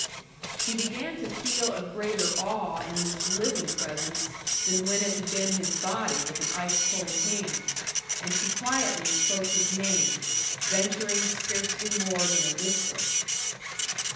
She began to feel a greater awe in this living presence than when it had been his body with an ice cold hand; and she quietly spoke his name, venturing scarcely more than a whisper.